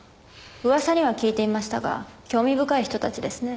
噂には聞いていましたが興味深い人たちですね。